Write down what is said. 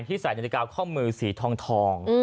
ที่ใส่นาติกาข้อมือสีทองทอง